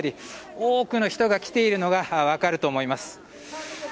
多くの人が来ているのが分かると思います。